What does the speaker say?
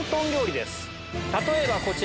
例えばこちら。